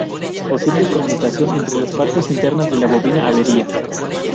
Posible conmutación entre las partes internas de la bobina, avería.